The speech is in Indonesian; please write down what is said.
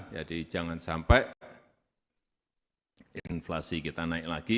jangan sampai inflasi kita naik lagi